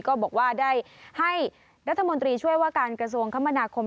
ก็บอกว่าได้ให้รัฐมนตรีช่วยว่าการกระทรวงคมนาคม